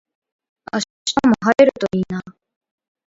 明日も晴れるといいな。